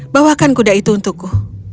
bawakan kuda itu untukku